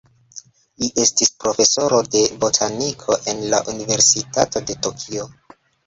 Li estis profesoro de botaniko en la Universitato de Tokio.